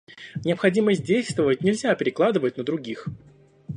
Необходимость действовать нельзя перекладывать на других.